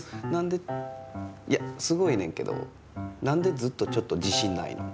いやすごいねんけどなんでずっとちょっと自しんないの？